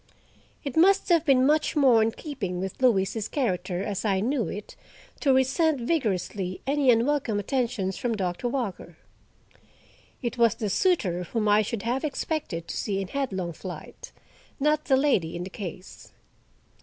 It must have been much more in keeping with Louise's character, as I knew it, to resent vigorously any unwelcome attentions from Doctor Walker. It was the suitor whom I should have expected to see in headlong flight, not the lady in the case.